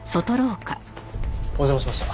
お邪魔しました。